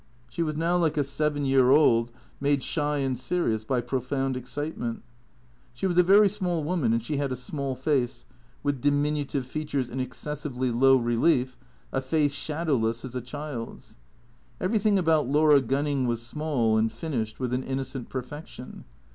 She was now like a seven year old made shy and serious by profound excitement. She was a very small woman and she had a small face, with diminutive features in excessively low relief, a face shadowless as a child's. Everything about Laura Gunning was small and finished with an innocent perfection.